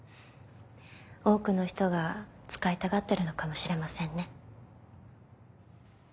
多くの人が使いたがってるのかもしれませんね。